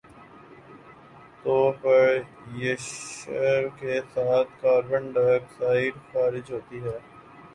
تو pressure کے ساتھ کاربن ڈائی آکسائیڈ خارج ہوتی ہے